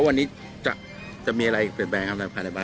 ซักวันนี้จะมีอะไรเป็นแบบอะไรข้าในบ้าน